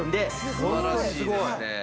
素晴らしいですね。